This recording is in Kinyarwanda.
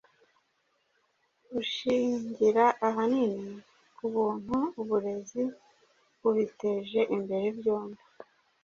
ushingira ahanini ku kuntu uburezi bubiteje imbere byombi,